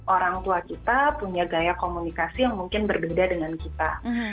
orang tua kita punya gaya komunikasi yang mungkin berbeda dengan kita